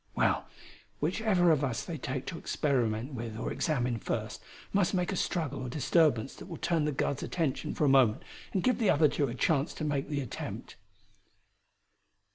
Well, whichever of us they take to experiment with or examine first, must make a struggle or disturbance that will turn the guards' attention for a moment and give the other two a chance to make the attempt!"